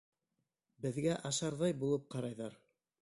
Беҙгә ашарҙай булып ҡарайҙар.